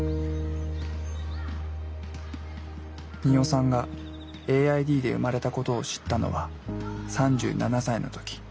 鳰さんがＡＩＤで生まれたことを知ったのは３７歳の時。